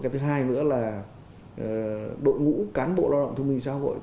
thứ hai nữa là đội ngũ cán bộ lao động thông minh xã hội